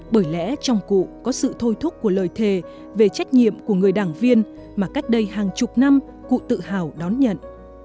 bởi lẽ trong cụ có sự thôi thúc của lời thề về trách nhiệm của người đảng viên mà cách đây hàng chục năm cụ tự hào đón nhận